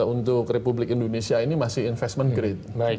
untuk republik indonesia ini masih investment grade